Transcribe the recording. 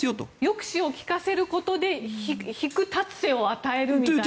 抑止を聞かせることで引く立つ瀬を与えるというか。